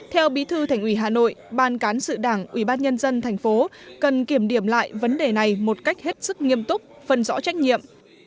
theo bí thư thành ủy hà nội ban cán sự đảng ubnd tp cần kiểm điểm lại vấn đề này một cách hết sức nghiêm túc phân rõ trách nhiệm